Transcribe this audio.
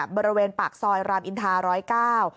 บริเวณปากซอยรามอินทรา๑๐๙